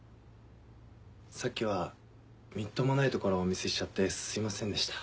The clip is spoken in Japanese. さっきはみっともないところお見せしちゃってすいませんでした。